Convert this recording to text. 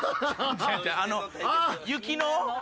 あの雪の？